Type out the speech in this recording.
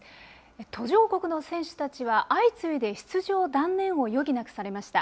途上国の選手たちは、相次いで出場断念を余儀なくされました。